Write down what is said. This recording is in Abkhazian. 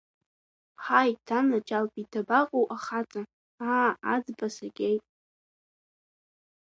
Ҳаи, анаџьалбеит, дабаҟоу ахаҵа, аа, аӡба сагеит!